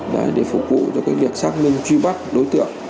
để phục vụ cho việc xác minh truy bắt đối tượng